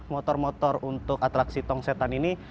motor motor untuk atraksi tong setan ini